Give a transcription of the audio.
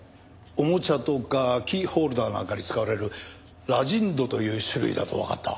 おもちゃとかキーホルダーなんかに使われるラジンドという種類だとわかった。